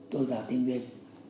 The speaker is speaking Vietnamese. tôi vào tiên viên